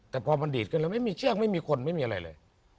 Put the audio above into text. แต่พอมันดีดกันแล้วไม่มีเชือกไม่มีคนไม่มีอะไรเลย